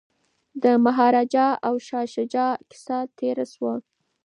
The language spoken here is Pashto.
د مهاراجا او شاه شجاع کیسه تیره شوه.